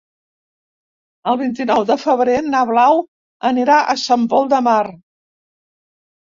El vint-i-nou de febrer na Blau anirà a Sant Pol de Mar.